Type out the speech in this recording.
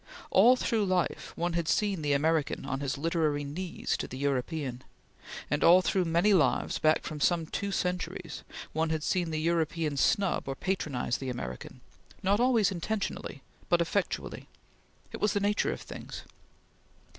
All through life, one had seen the American on his literary knees to the European; and all through many lives back for some two centuries, one had seen the European snub or patronize the American; not always intentionally, but effectually. It was in the nature of things.